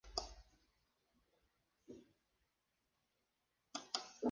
Fue padrino de Miguel Ligero Rodríguez.